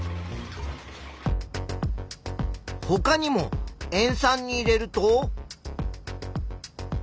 ほかにも塩酸に入れると。